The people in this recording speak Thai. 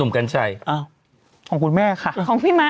ของคุณแม่ค่ะของพี่ม็อท